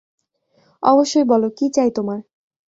অবশ্যই বলো কী চাই তোমার।